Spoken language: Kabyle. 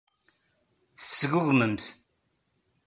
Tesgugmem-t.